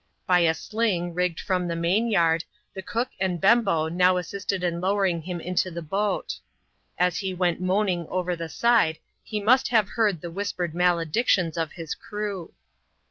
By a sling, rigged from the main yard, the cook and Bembo now assisted in lowering him into the boat. As he went moaning over the side, he must have heard the whispered maledictions of his crew.